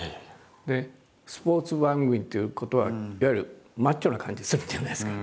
でスポーツ番組っていうことはいわゆるマッチョな感じするじゃないですか。